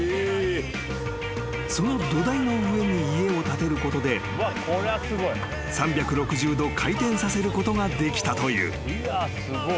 ［その土台の上に家を建てることで３６０度回転させることができたという］